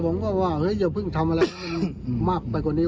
ผมเห็นอ่ะแต่ผมก็ว่าเฮ้ยเดี๋ยวเพิ่งทำอะไรมักไปกว่านี้